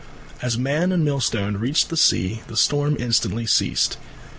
As man and millstone reached the sea the storm instantly ceased.